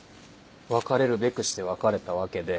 別れるべくして別れたわけで。